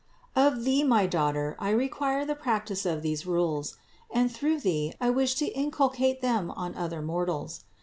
Of thee, my daughter, I require the practice of these rules, and through thee I wish to incul cate them on other mortals.